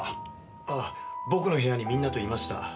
ああ僕の部屋にみんなといました。